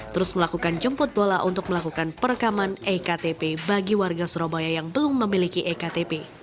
terus melakukan jemput bola untuk melakukan perekaman ektp bagi warga surabaya yang belum memiliki ektp